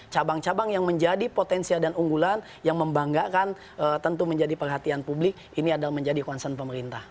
cabang cabang yang menjadi potensial dan unggulan yang membanggakan tentu menjadi perhatian publik ini adalah menjadi concern pemerintah